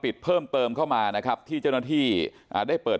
เพิ่มเติมเข้ามานะครับที่เจ้าหน้าที่อ่าได้เปิด